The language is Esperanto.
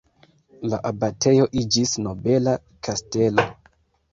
La abatejo iĝis nobela kastelo.